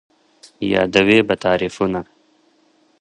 یادوې به تعريفونه